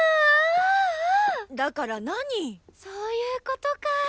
だから何⁉そういうことかあ！